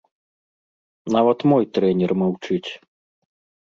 Нават мой трэнер маўчыць.